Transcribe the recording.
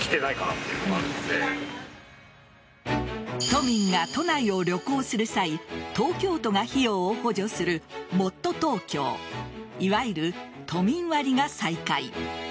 都民が都内を旅行する際東京都が費用を補助するもっとＴｏｋｙｏいわゆる都民割が再開。